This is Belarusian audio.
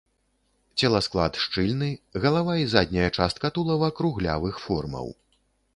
Целасклад шчыльны, галава і задняя частка тулава круглявых формаў.